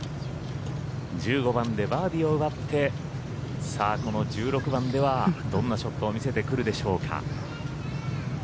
１５番でバーディーを奪ってこの１６番ではどんなショットを見せてくるでしょうか。